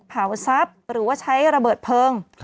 เผาทรัพย์หรือว่าใช้ระเบิดเพลิง